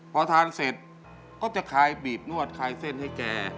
พอทานเสร็จก็จะคลายบีบนวดคลายเส้นให้แก